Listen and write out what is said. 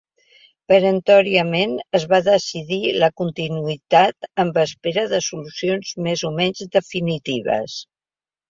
Peremptòriament es va decidir la continuïtat en espera de solucions més o menys definitives.